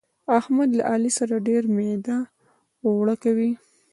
احمد له علي سره ډېر ميده اوړه کوي.